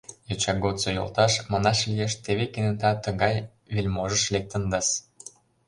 Йоча годсо йолташ, манаш лиеш, теве кенета тыгай вельможыш лектында-с!